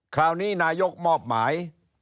คราวนี้นายกมอบหมาย